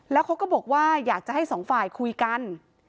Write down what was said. แล้วเขาก็บอกว่าอยากจะให้สองฝ่ายคุยกัน